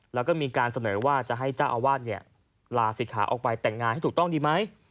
แล้วก็มีการเสนอว่าจะให้เจ้าอาวาสลาศิกขาออกไปแต่งงานให้ถูกต้องดีไหม